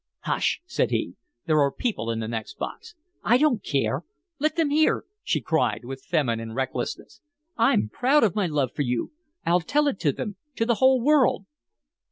"Hush!" said he. "There are people in the next box." "I don't care! Let them hear," she cried, with feminine recklessness. "I'm proud of my love for you. I'll tell it to them to the whole world."